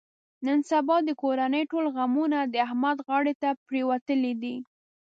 نن سبا د کورنۍ ټول غمونه د احمد غاړې ته پرېوتلي دي.